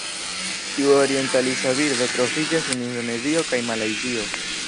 Tiu orientalisa birdo troviĝas en Indonezio kaj Malajzio.